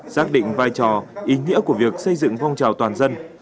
xác định vai trò ý nghĩa của việc xây dựng phong trào toàn dân